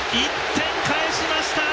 １点返しました。